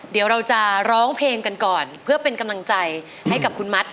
เดี๋ยวเราจะร้องเพลงกันก่อนเพื่อเป็นกำลังใจให้กับคุณมัด